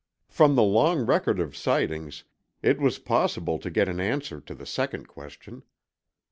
From the long record of sightings, it was possible to get an answer to the second question.